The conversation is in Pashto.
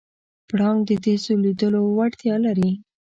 پړانګ د تېز لیدلو وړتیا لري.